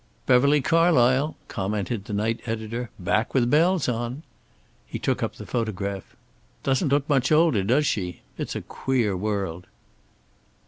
"Beverly Carlysle," commented the night editor. "Back with bells on!" He took up the photograph. "Doesn't look much older, does she? It's a queer world."